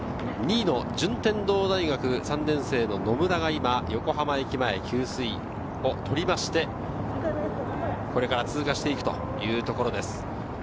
２位・順天堂大学３年生の野村が横浜駅前給水を取って、これから通過していくところです。